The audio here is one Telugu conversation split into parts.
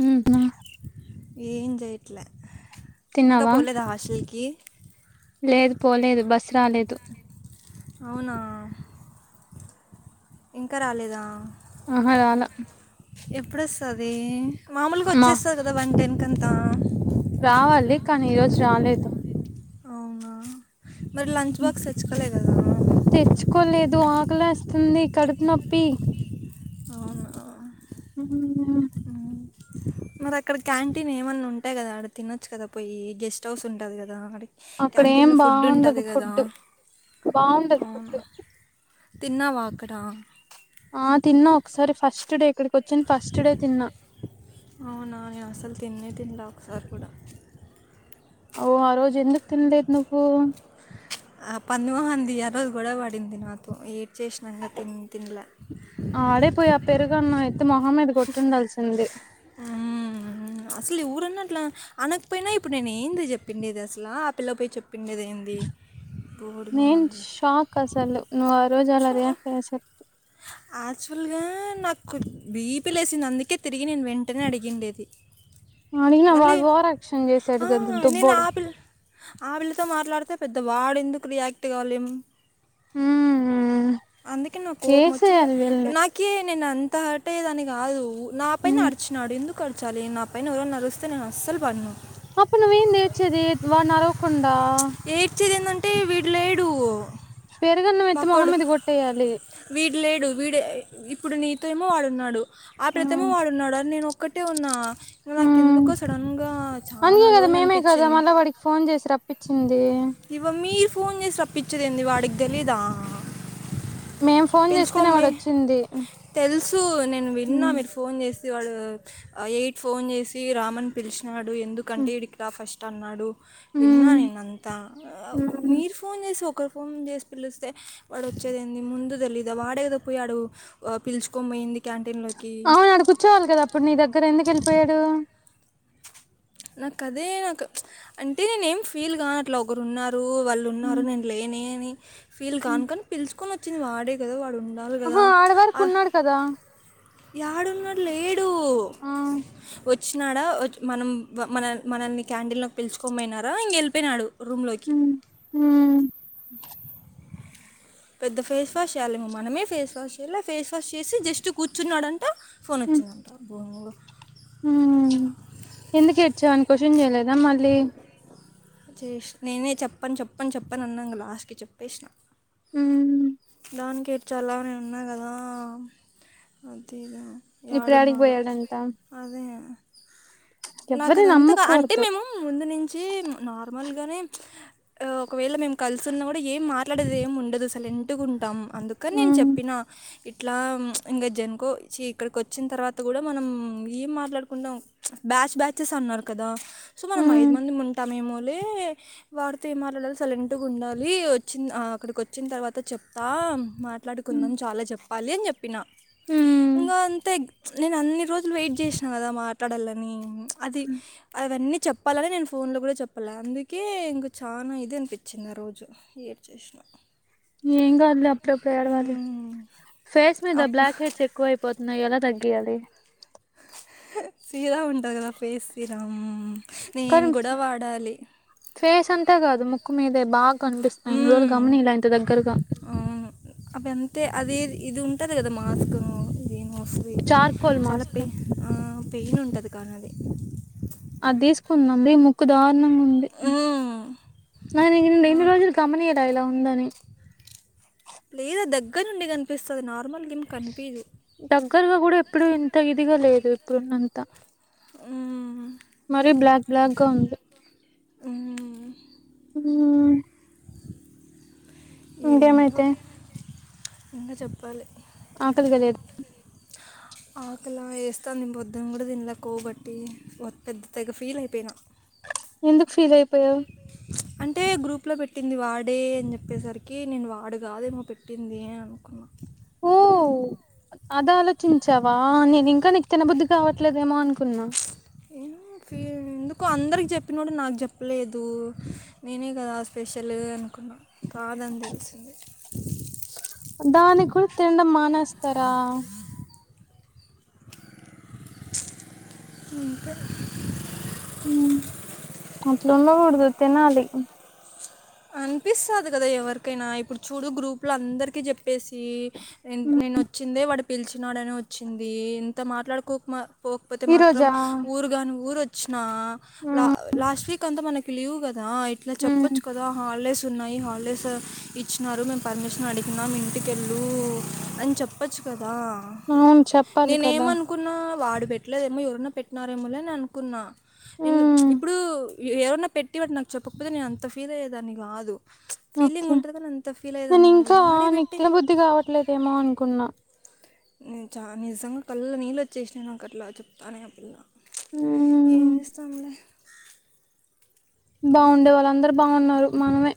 ఊ నా ఏం జెయ్యట్ల్య తిన్నావా లేదు పోలేదు బస్సు రాలేదు అవునా ఇంకా రాలేదా ఆహా రాలా ఎప్పుడుొస్తాది మామొలుగా మా వచ్చేస్తాది గదా వన్ టెన్ కంతా రావాలి కానీ ఈరోజు రాలేదు అవునా మరి లంచ్ బాక్స్ తెచ్చుకోలే గదా తు ఆకలేస్తుంది కడుపు నొప్పి అవునా ఉహూ ఊ మ్మ్. మరి అక్కడ క్యాంటీన్ ఏమన్నా ఉంటాయ్ గదా ఆడ తినొచ్చు కదా పొయ్యీ గెస్ట్ హౌస్ ఉంటాది గదా ఆడి అక్కడ ఏం బాగుండదు ఫుడ్డు బాగుండది అవును ఫుడ్డు తిన్నావా అక్కడ ఆ తిన్నా ఒకసారి ఫస్ట్ డే ఇక్కడికి వచ్చిన్ ఫస్ట్ డే తిన్నా అవునా నే అసలు తిన్నే తినలే ఒకసార్ గూడా ఓ ఆ రోజ్ ఎందుక్ తిన్లేద్ నువ్వు ఆ పంది మొహంది ఆ రోజు గొడవ వడింది నాతో ఏ ఆడే పోయి ఆ పెరుగన్నం ఎత్తి మొహం మీద గొట్టుండాల్సింది ఊ అసల్ ఎవురన్నా అట్లా అనక్పోయినా ఇప్పుడు నేను ఏంది జెప్పిండేది అసలా ఆ పిల్ల పోయి చెప్ పిండిదేంది నేన్ షాక్ అసలు నువ్ ఆ రోజు అలా చూ రియాక్ట్ అయ్యే సర్కి యాక్చువల్గా నాకు బీపీ లేసింది అందుకే తిరిగి నేను వెంటనే అడిగిండేది అడిగిన మళ్ళీ వాడు ఓవర్ యాక్షన్ చేసాడు ఆ కదా నేను దుబ్బోడు ఆ పిల్ ఆ పిళ్ళతో మాట్లాడితే పెద్ద వాడు ఎందుకు రియాక్ట్ గావాలేమొ హ్మ్ అందుకే నా కోపం ఒచ్చింది ఏసేయాలి వీళ్ళని నాకే నేను అంత హట్ అయేదాన్ని గాదు నా పైన హ్మ్ అర్ ఎందుకు అడ్చాలి నా పైన ఎవురన్నా అరుస్తే నేను అస్సల్ పడ్ను అప్పు నువ్ ఏం దీర్చేది నువ్ వాన అడకున్ ఎయిడ్చేది ఏందంటే వీడు లేడు పేరుగన్నం ఎత్తి మొహం బక్కోడు మీద గొట్టేయాలి వీడు లేడు వీడె ఇప్పుడు నీతో ఏమో వాడున్నాడు ఆ పిల్లతో ఏమో హ్మ్ వాడున్నాడు అని నేను ఒక్కటే ఉన్నా హ్మ్ నాకెందుకో సడన్ గా చాలా అందుకే కదా లోన్ అనిపిచ్చింది హిందీ మీర్ ఫోన్ చేసి రప్పిచ్చేదేంది వాడిగ్ దెలీదా మేం ఫోన్ చేస్తేనే వాడు వచ్చింది తెల్సూ నేను విన్నా హ్మ్ మీరు ఫోన్ జేస్ తి వాడు ఆ ఎయిట్ ఫోన్ జేసి రామన్ పిలిచినాడు ఎందుకంటే హ్మ్ ఇడికి రా ఫస్ట్ అన్నాడు విన్నా హ్మ్ నేను అంతా హ్మ్ మీరు ఫోన్ జే ఇసు ఒకరు ఫోన్ జేసి పిలిస్తే వాడు ఒచ్చేది ఏంది ముందు దెలీదా వాడే గదా పొయ్యాడు పిలుచు కొం బొయింది అవును ఆడ కూర్చోవాల్ గదా అప్పుడు నీ దగ్గర ఎందుకు ఎళ్ళిపోయాడు నాక్ అదే నాక్ అంటే నేను ఏం ఫీల్ గాట్లె ఒకరున్నారూ వాళ్ళు హ్మ్ ఉన్నారు నేను లేనే ని ఫీల్ కాన్ కని పిలుచకొని ఒచ్చింది వాడే గదా వాడున్ అహా ఆడి వరకు ఉన్నాడు కదా యాడున్నాడ్లే ఊ ఒచ్చినాడా మనం మన మనల్ని క్యాడిల్ల్లో పిలుచుకోం బోయినారా ఇంగ ఎళ్పోయినాడు రూమ్లోకి హ్మ్ హ్మ్ పెద్ద ఫేస్ వాష్ చేయ్యాలేమో మనమే ఫేస్ వాష్ చెయలె ఫేస్ వాష్ చేసి జస్ట్ కూర్చున్నాడన్ ట ఫోన్ ఒచ్చిందంట భొంగు హూమ్ ఎందుకు ఏడ్చావని కొశన్ జేయలేదా మళ్ళీ చేశ్ నేనే చెప్పన్ చెప్పన్ చెప్పన్ అన్నంగ లాస్ట్కి చెప్పేశ్న హ్మ్ దానికేడ్చలా నేను ఉన్నా కదా అది ఇప్పుడు యాడికి ఏడున్నాడో పోయాడంట అదే ఎవ్వరిని నాకుదంతాగా అంటే నమ్మకూడదు మేము ముందు నుంచి నార్మల్గానే ఒకవేళ మేము కలిసున్నా కూడా ఏం మాట్లాడేదెం ఉండదు సైలెట్ గుం అందుకన్ నేను ఉమ్ చెప్పిన ఇట్లా ఇంగ జనుకోచ్ ఇక్కడికి వచ్చిన తర్వాత కూడా మనం ఏం మాట్లాడుకుంటాం బ్యాచ్ బ్యాచేస్ అన్నారు కదా సో మనం ఉమ్ ఐదు మంది ఉంటామేమో వాడితో ఎం మాట్లాలి సైలెంట్గా ఉండాలి వచ్చిన్ ఆ అక్కడికి వచ్చిన తర్వాత చెప్ త్తా మాట్లాడుకుందాం చాలా చెప్పాలి అని చెప్పిన ఉమ్ ఇంకా అంతే నేను అన్ని రోజులు వెయిట్ చేసినా కదా మాట్లాడాలని అది అవన్నీ చెప్పాలనే నేను ఫోన్లో కూడా చెప్పాలే అందుకే ఇంగ చాలా ఇదనిపించింది ఆ రోజు ఏడ్ చేసినా ఇ ఏం కాదులే అప్పుడప్పుడు ఏడవాలి ఫేస్ మీద అప్పుడు బ్లాక్ హెడ్స్ ఎక్కువ అయిపోతున్నాయి ఎలా తగ్గియలీ సిరా ఉంటది కదా ఫేస్ సిరం నేను కానీ కూడా వాడాలి ఫేస్ అంతా కాదు ముక్కు మీదే బాగా కనిపిస్తాయి ఎన్ని రోలు మ్మ్. గమనియలే ఇంత దగ్గరగా అవును అవి అంతే అది ఇది ఉంటది కదా మాస్కు ఇది మోస్లీ చార్కోల్ చాలా మాస్క్ పెయి ఆ పెయిన్ ఉంటది కానది అది తీసుకుంటన్నా ముక్కుదా నంగా ఉంది మ్మ్. నిం ఇన్ని నాకు రోజులు గమనీయలే ఇలా ఉందని లేదా దగ్గర నుండి కనిపిస్తది నార్మల్గా ఏం కనిపియదు ఇప్పుడు ఇంత ఇదిగా లేదు ఇప్పుడున్నంత మరి బ్లాక్ బ్లాగ్గా ఉంది మ్ మ్ ఇేంటో ఇంగ చెప్పాలి ఆకలిగా లేద ఆకలా ఎస్తానంది పోద్దున కూడా తిన్లే కొవ్వు పట్టి ఒ పెద్ద తెగ ఫీల్ అయిపోయినా ఎందుకు ఫీల్ అయిపోయావ్ అంటే గ్రూప్లో పెట్టింది వాడే అని చెప్పేసరికి నేను వాడు కాదేమో పెట్టింది అని అనుకున్నాను ఓ అది ఆలోచించావా నేను ఇంకా నిక్ తిన బుద్ధి కావట్లేదేమో అనుకున్నా కు అందరికి చెప్పినోడు నాకు చెప్పలేదు నేనే కదా స్పెషల్ కున్నా కాదని తెలిసిందిే క్ తినడం మానేస్తారా అంతే అట్లుండకూడదు తినాలి అనిపిస్తది కదా ఎవరికైనా ఇప్పుడు చూడు గ్రూపుల అందరికి చెప్పేసి ఉమ్, నేను వచ్చిందే వాడు పిలిచినడని వచ్చింది ఇంత మాట్లాడుకోక్ మ పోకపోతే ఈ మాత్రం రోజా ఊరు గాని ఊరు వచ్చిన లా ఉమ్, లాస్ట్ వీక్ అంతా మనకి లీవ్ కద్ దా ఇట్లా ఉమ్, చెప్పోచ్చు ఇంకా హాలిడేస్ ఉన్నాయి హాలిడేస్ ఇచ్చినారు మేము పర్మిషన్ అడిగినాం ఇంటికెళ్ళు అని చెప్పచ్చు కదా అవును చెప్పాలి నేనే కదా ఏమనుకున్నా వాడు పెట్టలేదేమో ఎవరనా పెట్టినారేమోలే అని అనుకున్నా నేను ఉమ్, ఇప్పుడు ఎవరన్నా పెట్టి వాడు నాకు చెప్పకపోతే నేను అంత ఫీల్ అయ్యేదాన్ని కాదు ఫీలింగ్ ఓకే ఉంటుంది కానీ అంత ఫీల్ నేను అయ్యేదాన్ని కాదు ఇంకా వాడే నీకు పెట్టి తినబుద్ధి కావట్లేదేమో అనుకున్నా నేను చా నిజంగా కళ్ళల్లో నీళ్ళు వచ్చేసినా నాకు అట్లా చెప్తానే ఆ పిల్ల ఏం ఉమ్, చేస్తాంలే బాగుండే వాళ్ళందరు బాగున్నారు మనమే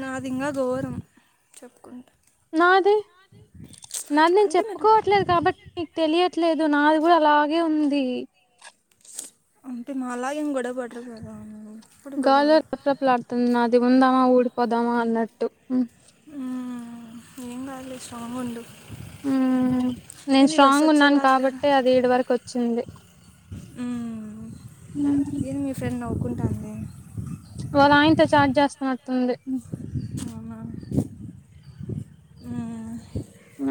నాది ఇంకా గోరం చెప్పుకుంటె నాది నేను అంటే మీరు చెప్పుకోవట్లేదు కాబట్టి నీకు తెలియ ట్లేదు నాది కూడా అలాగే ఉంది అంటే మాలా ఏం కో గజర్ రెపరెపలడుతుంది నాది ఉందామా ఊడ్ పోదామా అన్నట్టు ఏం కాదు లే స్ట్రాంగ్ ఉండు నేను ఏంది బస్సు స్ట్రాంగ్ ఉన్నాను వచ్చేలాగా లేదు కాబట్టే అది ఇడి వరకు వచ్చింది ఏంది మీ ఫ్రెండ్ నవ్వుకుంటంది వాళ్ళ ఆయనతో చాట్ చేస్తున్నటుంది అవునా మ్మ్. ఆ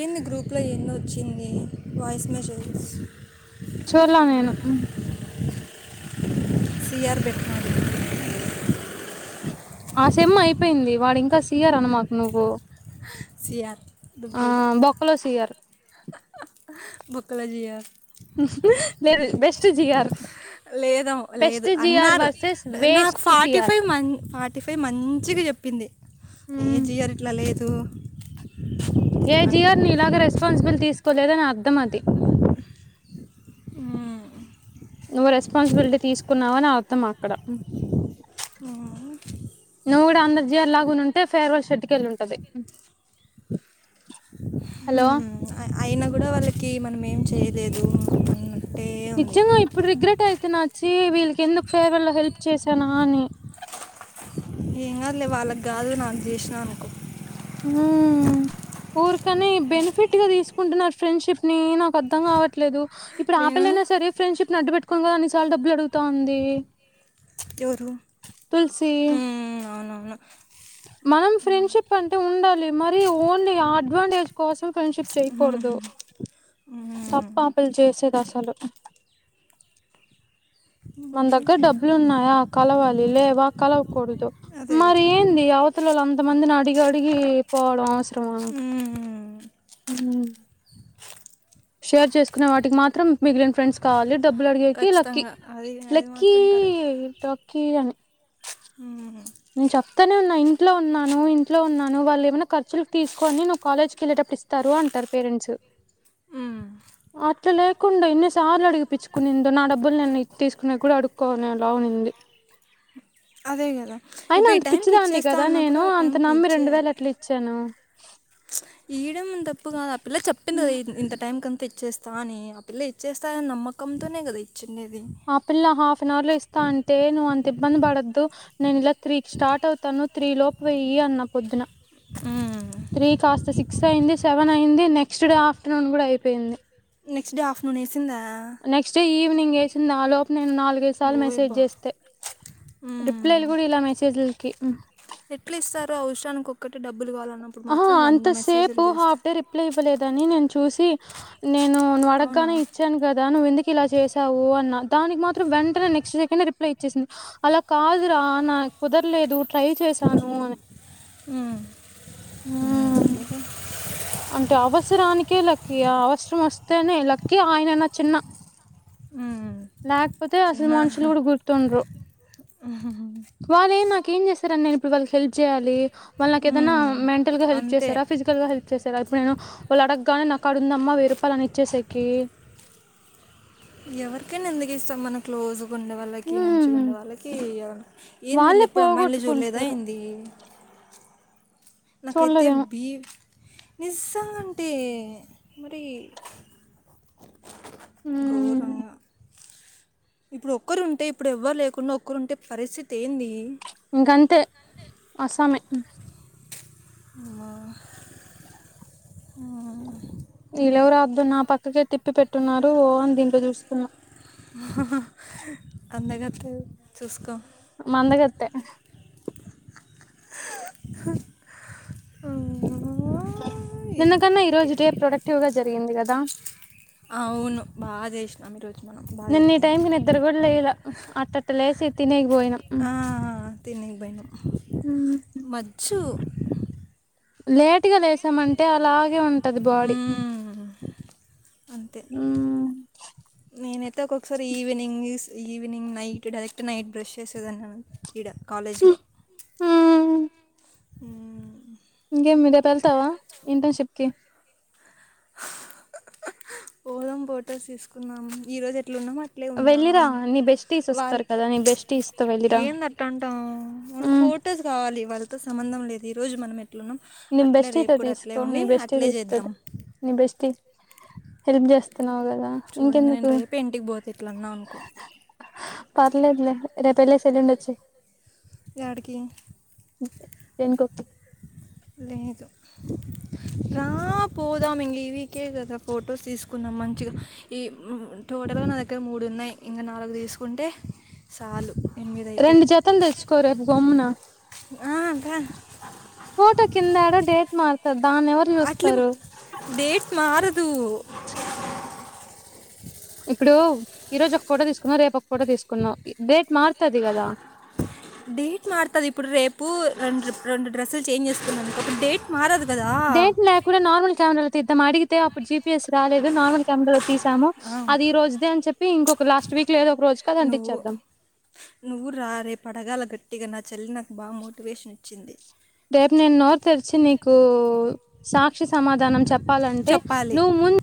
ఏంది గ్రూప్లో ఏందో వచ్చింది వాయిస్ మెసేజ్స్ చూర్లా నేను సియార్ బెట్ ఆ సేమ్ అయిపోయింది వాడు ఇంకా సిఆర్ అనమాకు నువ్వు సియారు ఆ బొక్కలో సియర్ బొక్కలో జిఆర్ బెస్ట్ జిఆర్ లేదం లేదు బెస్ట్ జిఆర్ అన్నారు వర్సెస్ నాకు వేస్ట్ ఫార్టీ సిఆర్ ఫైవ్ మ ఫార్టీ ఫైవ్ మం మంచిగా చెప్పింది ఏ మ్మ్ జిఆర్ ఇట్లా లేదు అని రెస్పాన్సిబుల్ తీసుకోలేదని అర్థం అది మ్మ్. నువ్వు రెస్పాన్సిబిలిటీ తీసుకున్నావని అర్థం అక్కడ మ్మ్. నువ్వు కూడా అందరు జయర్ లాగా ఉంటే ఫెర్వెల్ షెడ్ కేళ్ళి ఉంటది హలో అయినా కూడా వాళ్ళకి మనం ఏం చేయలేదు అ నిజంగా ఇప్పుడు రిగ్రెట్ అయిటున్నచ్చి ఇది వీళ్ళకి ఎందుకు ఫేర్వ లో హెల్ప్ చేసానా అని ఏం కాదులే వాళ్ళకి కాదు నాకు చేసినా అనుకో ఉ ఊరికనే బెనిఫిట్ గా తీసుకుంటున్నారు ఫ్రెండ్షిప్ ని నాకు అర్ధం కావట్లేదు ఇప్పుడు ఆ నేను పిల్ల అయిన సరే ఫ్రెండ్షిప్ అడ్డు బేట్టుకోని కదా అన్నిసార్లు డబ్బులు అడుగుతా ఉంది ఎవరు తులసి ఉ అవునవును మనం ఫ్రెండ్షిప్ అంటే ఉండాలి మరి ఓన్లీ అడ్వాంటేజ్ కోసం ఫ్రెండ్షిప్ మ్మ్. చేయకూడదు మ్మ్. తప్పు ఆపిలు చేసేది అసలు మన దగ్గర అవునులే. డబ్బులు ఉన్నాయా కలవాలి లేవ కలవకూడదు అదే మరి కదా ఏంది అవత లోల అంత మందిని అడిగి అడిగి పోవడం అవసరమా మ్మ్. షేర్ చేసుకునే వాటికి మాత్రం మిగిలిన ఫ్రెండ్స్ కావాలి డబ్బులు అడిగేకి లక్కీ ఖచ్చితంగా అది అది లక్కీ మాత్రం లక్కీ అని హ [inaudible] నేను చెప్తనే ఉన్నా ఇంట్లో ఉన్నాను ఇంట్లో ఉన్నాను వాళు ఏమైనా ఖర్చులుకు తీసుకోని నువ్వు కాలేజ్ కి వెళ్ళేటప్పుడు ఇస్తారు అంటారు పేరెంట్స్ మ్మ్. అట్లా లేకుండా ఇన్నిసార్లు అడిగిపిచ్చుకునిండు నాడబ్బు డబ్బులు నేను ఇచ్చి తీసుకునే గూడా అడుక్కునే లావుంది అదే కదా అయినా ఇప్పుడు ఈ అంత టైంకి పిచ్చిదాన్ని ఇచ్చేస్తా కదా నేను అన్నప్పుడు ఆ అంత టైంకి నమ్మి రెండు వేలు ఎట్లా ఇచ్చాను యియ్యడం తప్పు గాదు ఆ పిల్ల చెప్పింది గద ఇంత టైం కంత తెచ్చేస్త తా అని ఆ పిల్ల ఇచ్చేస్తాని నమ్మకంతోనే గదా ఇచ్చిండేది వన్ అవర్ లో ఇస్తా అంటే నువ్వు అంత ఇబ్బంది పడొద్దు నేను ఇలా త్రీకి స్టార్ట్ అవుతాను త్రీ లోపు వెయ్యి అన్న పొద్దున త్రీ కాస్త సిక్స్ అయింది సెవెన్ అయింది నెక్స్ట్ డే ఆఫ్టర్నూన్ గూడా అయిపోయింది నెక్స్ట్ డే ఆఫ్టర్నూన్ యేసిందా నెక్స్ట్ డే ఈవినింగ్ యేసింది ఆ లోపు నేను నాలుగైదు సార్లు మెసేజ్ ఓయబ్బా జేస్తే మ్మ్. రిప్లైలు గూడా ఈలే మెసేజ్లకి ఎట్లా ఇస్తారు అవసరానికి ఒక్కటి డబ్బులు కావాలన్నప్పుడు ఆహా మాత్రం అంత వంద మెసేజ్లు సేపు హాఫ్ చేస్తారు డే రిప్లై ఇవ్వలేదని నేను చూసి నేను నువ్వు అవునా అడగానే ఇచ్చాను గదా నువ్వెందుకు ఇలా చేసావు అన్న దానికి మాత్రం వెంటనే నెక్స్ట్ డే కి రిప్లై ఇచ్చేసింది అలా కాదు రా కుదరలేదు ట్రై చేశాను అని ఉం ఉమ్ అంటే అవసరానికే లక్కి ఆ అవసరం వస్తేనే లక్కి ఆయన నా చిన్న మ్మ్. లేకపోతే అసలు చిన్న మనుషులు గూడా గుర్తుండరు వాళ్ళే నాకేం జేశారని నేను ఇప్పుడు వాళ్ళకి హెల్ప్ చేయాలి వాళ్ళ నాకేదన్నా మ్మ్. మెంటల్ గా హెల్ప్ అంతే చేసారా ఫిజికల్ గా హెల్ప్ చేసారా ఇప్పుడు నేను వాళ్ళు అడగగానే నాకాడుందమ్మా వెయ్యిరూపాయలు అని ఇచ్చేసేకి ఎవరికైనా ఎందుకు ఇస్తాం మనం క్లోజ్ గున్నవాళ్ళకి ఉమ్ మంచిగుండె వాళ్ళకి ఏంది వీళ్ళు వాళ్ళే ఎప్పుడు అమ్మాయిలను చూడలేదా పోగొట్టుకుంటారు ఏంది నాకైతే చూడలేదేమో బీ నిజంగా అంటే ఎ మరీ ఉమ్ ఘోరంగా ఇప్పుడు ఒక్కరుంటే ఇప్పుడు ఎవ్వరు లేకుండా ఒక్కరుంటే పరిస్థితి ఏంది ఇంక అంతే అస్సామే అమ్మ ఆ ఈలెవరాబ్బ నా పక్కకే తిప్పి పెట్టున్నారు ఓ అని దీంట్లో జూసుకున్నా హహహ అందగత్తె చూసుకో మందగత్తె [inaudible] నిన్నకన్నా ఈరోజు డే ప్రొడక్టివ్ గా జరిగింది గదా అవును బాగా జేసినాం ఈరోజు మనం బాగా నిన్న ఈ జరిగింది టైంకి నిద్ర కూడా లేయలా అట్టట్ట లేసి తినేకి పోయినాం ఆ తిననికిపోయినం మచ్చు లేటుగా లేసామంటే అలాగే ఉంటది బాడీ మ్మ్. అంతే నేన యితే ఒక్కొక్కసారి evening evening night direct night brush చేసేదాన్ని ఈడ కాలేజ్లో ఉం ఇంగేం మీ అటు యెళ్తావా ఇంటర్న్ షిప్ కి పోదాం పోటోస్ తీసుకున్నాం ఈ రోజు వెళ్ళిరా నీ బెస్టీస్ వాళ్ళు వస్తారు కదా నీ బెస్టీస్ తో వెళ్ళిరా ఏంది అంటావ్ మనకు ఫోటోస్ కావాలి వాళ్ళతో సంబంధం లేదు ఈ రోజు మనం ఎట్లున్నాం నీ అట్లే బెస్టీస్ తో రేపు కూడా అట్లే తీసుకో ఉండి నీబెస్టీ అట్లే చేద్దాం తీస్తది నీబెస్టీ హెల్ప్ చేస్త న్నావ్ కాదా చూడు ఇంక నేను ఇంకెందుకు రేపే ఇంటికి పోతా ఇట్లా అన్నా అనుకో పర్లేదులే రేపు యెల్లేసి ఎల్లుండి వచ్చెయ్ యాడికి [unintelligible] లేదు రా పోదాం ఇంగ ఈవీకే గదా ఫొటోస్ తీసుకుందాం మంచిగా ఈ టోటల్గా నా దగ్గర మూడు ఉన్నాయి ఇంకా నాలుగు తీసుకుంటే చాలు ఎనిమిది అవుతాయి రెండు జతం తెచ్చుకో రేపు గొమ్మున ఆ, రా. ఫోట కింద యాడో డేట్ మార్తా దాన్ని ఎవరు అట్లా చూస్తారు డేట్ మారదు చె ఇప్పుడు ఈ రోజు ఒక ఫోటో తీసుకున్నాం రేపు ఒక ఫోటో తీసుకున్నాం డేట్ మారుతది కదా డేట్ మారుతుంది ఇప్పుడు రేపు రెండు రెండు డ్రెస్సులు చేంజ్ చేస్తుకుందిను కాటి డేట్ మారదు కదా డేట్ లేకపోయిన నార్మల్ కమెరాల తిదాము అడిగితే అప్పుడు జిపిఎస్ రాలేదు నార్మల్ కమెరా తీసాము ఆ, అది ఈ రోజుదే అని చెప్పి ఇంకొక లాస్ట్ వీక్ లో ఏదో ఒక రోజు కి అది నువ్వు అంటిచేదం నువ్వు రా రేపు అడగాల గట్టిగా నా చల్లి నాకు బాగా మోటివేషన్ ఇచ్చింది రేపు నేను నోరు తెరిచి నీకు సాక్షి సమాధానం చెప్పాలంటే చెప్పాలి నువ్వు ముందు